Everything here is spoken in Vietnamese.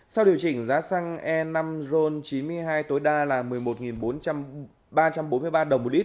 sau điều chỉnh giá xăng e năm ron chín mươi hai tối đa là một mươi một bốn trăm bốn mươi ba đồng một lít